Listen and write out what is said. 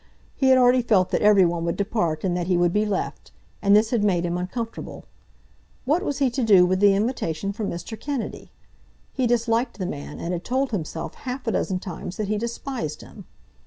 He had already felt that every one would depart and that he would be left, and this had made him uncomfortable. What was he to do with the invitation from Mr. Kennedy? He disliked the man, and had told himself half a dozen times that he despised him.